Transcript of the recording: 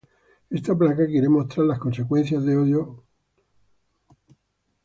Esta placa quiere mostrar las consecuencias de odio a los judíos: la Shoa.